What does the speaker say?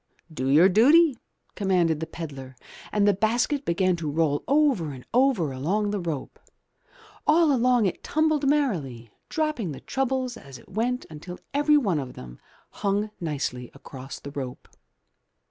Do your duty," commanded the pedlar, and the basket began to roll over and over along the rope. All along it tumbled merrily, dropping the troubles as it went until everyone of them hung nicely across the rope.